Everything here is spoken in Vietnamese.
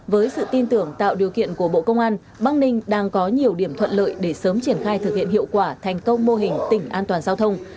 với sự tin tưởng tạo điều kiện của bộ công an bắc ninh đang có nhiều điểm thuận lợi để sớm triển khai thực hiện hiệu quả thành công mô hình tỉnh an toàn giao thông